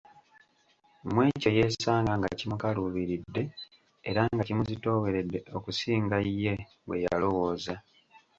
Mu ekyo yeesanga nga kimukaluubiridde era nga kimuzitooweredde okusinga mpozzi ye bwe yalowooza.